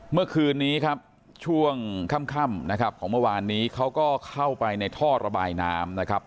เมื่อคืนนี้ครับช่วงค่ำนะครับของเมื่อวานนี้เขาก็เข้าไปในท่อระบายน้ำนะครับ